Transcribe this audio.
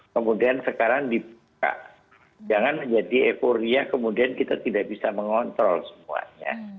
kemudian sekarang dibuka jangan menjadi euforia kemudian kita tidak bisa mengontrol semuanya